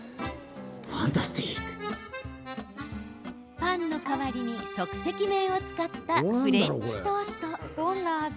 パンの代わりに即席麺を使ったフレンチトースト。